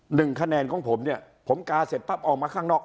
หนึ่งคะแนนของผมเนี่ยผมกาเสร็จปั๊บออกมาข้างนอก